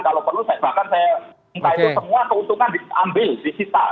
kalau perlu bahkan saya ingin semua keuntungan diambil disita